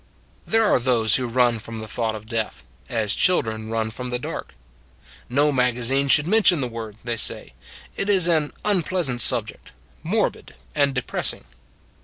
There are those who run from the thought of death, as children run from the dark. No magazine should mention the word, they say; it is an " unpleasant sub ject " morbid and depressing.